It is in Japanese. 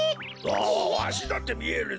わわしだってみえるぞ。